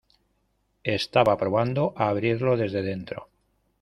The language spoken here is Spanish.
estaba probando a abrirlo desde dentro.